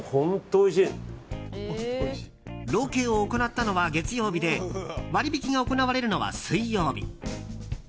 ロケを行ったのは月曜日で割引が行われるのは水曜日。